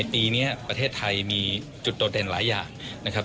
ปีนี้ประเทศไทยมีจุดโดดเด่นหลายอย่างนะครับ